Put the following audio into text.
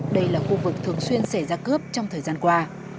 đây là khu vực thường xuyên xảy ra cướp trong thời gian qua